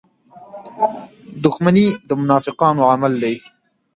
• دښمني د منافقانو عمل دی.